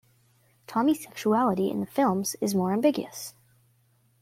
Tomie's sexuality in the films is more ambiguous.